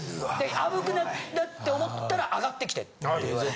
あぶなくなったって思ったら上がってきてって言われて。